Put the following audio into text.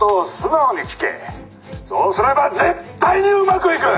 「そうすれば絶対にうまくいく！」